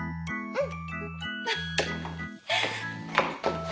うん！